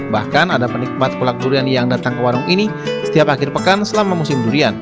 bahkan ada penikmat kolak durian yang datang ke warung ini setiap akhir pekan selama musim durian